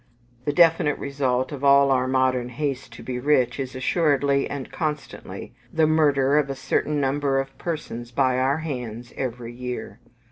The definite result of all our modern haste to be rich is assuredly, and constantly, the murder of a certain number of persons by our hands every year.